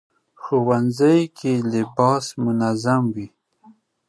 ښوونځی کې لباس منظم وي